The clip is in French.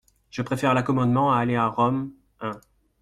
Je préfère l'accommodement à aller à Rome, un°.